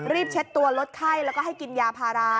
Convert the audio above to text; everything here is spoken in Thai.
เช็ดตัวลดไข้แล้วก็ให้กินยาพารา